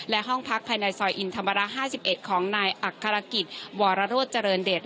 และห้องพักภายในซอยอินทำบาระห้าสิบเอ็ดของนายอักษรกิจวรรโรจรณเดชน์